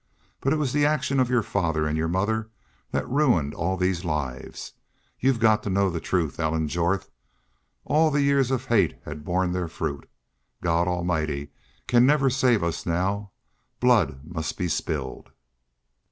... But it was the action of your father and your mother that ruined all these lives. You've got to know the truth, Ellen Jorth.... All the years of hate have borne their fruit. God Almighty can never save us now. Blood must be spilled.